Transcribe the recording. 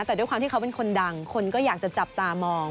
แต่ด้วยความที่เขาเป็นคนดังคนก็อยากจะจับตามอง